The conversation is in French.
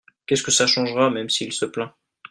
qu'est ce que ça changera même si il se plaint.